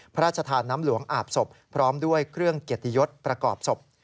พระราชทานน้ำหลวงอาบศพพร้อมด้วยเครื่องเกียรติยศประกอบศพ